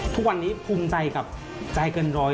ทุกวันนี้ภูมิใจกับใจเกินร้อย